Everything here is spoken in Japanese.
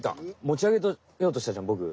持ち上げようとしたじゃんボク。